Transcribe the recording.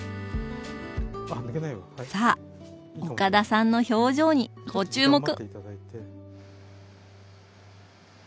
さあ岡田さんの表情にご注目！